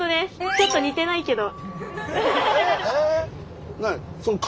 ちょっと似てないけど。